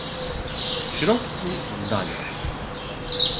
"W środku zdania."